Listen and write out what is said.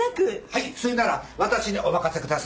はいそれなら私にお任せくださいませ。